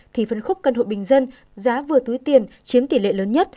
thì phân khúc căn hộ bình dân giá vừa túi tiền chiếm tỷ lệ lớn nhất